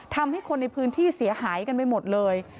ทำให้คนในพื้นที่เสียหายกันไปหมดเลย